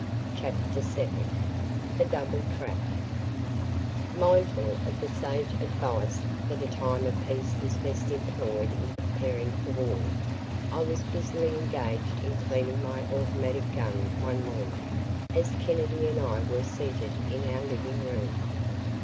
CHAPTER VII THE DOUBLE TRAP Mindful of the sage advice that a time of peace is best employed in preparing for war, I was busily engaged in cleaning my automatic gun one morning as Kennedy and I were seated in our living room.